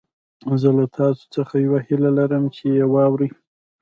زه له تاسو څخه يوه هيله لرم چې يې واورئ.